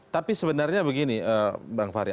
tapi sebenarnya begini bang fahri